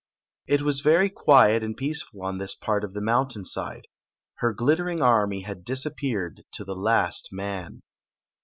It was very quiet and peaceful on this part of the mountain side. Her glittering army had disappeared to the last man.